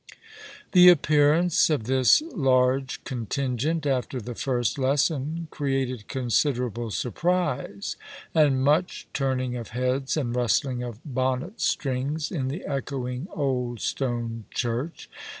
The appearance of this largo contingent after the first lesson created considerable surprise, and much turning of heads and rustling of bonnet strings in the echoing old stone church.